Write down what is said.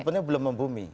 sebenarnya belum membumi